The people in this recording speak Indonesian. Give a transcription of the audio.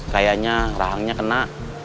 kayaknya rahangnya kena